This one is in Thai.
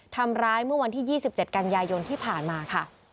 ทำร้ายเมื่อวันที่๒๗กันยายนที่ผ่านมาค่ะ